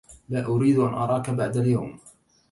لا أريد أن أراك بعد اليوم.